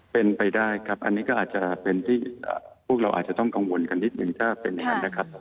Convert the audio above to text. เป็นไปได้ครับอันนี้ก็อาจจะเป็นที่พวกเราอาจจะต้องกังวลกันนิดนึงถ้าเป็นอย่างนั้นนะครับ